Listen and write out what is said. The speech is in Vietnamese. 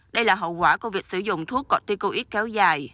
đây là hậu quả của việc sử dụng thuốc corticoid kéo dài